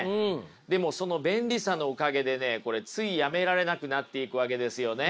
でもその便利さのおかげでねこれついやめられなくなっていくわけですよね。